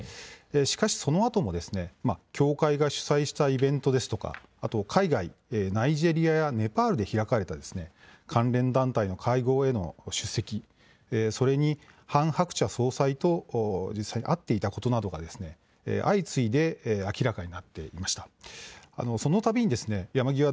しかしそのあとも教会が主催したイベントですとかあと海外、ナイジェリアやネパールで開かれた関連団体の会合への出席それにハン・ハクチャ総裁と実際に会っていたことなどが相次いで明らかになっていました。